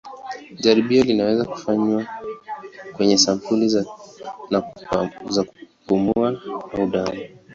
Jaribio linaweza kufanywa kwenye sampuli za kupumua au damu.